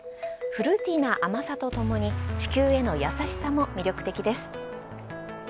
フルーティーな甘さとともに地球への優しさも魅力的です。